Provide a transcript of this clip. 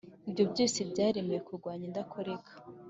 Ibyo byose byaremewe kurwanya indakoreka,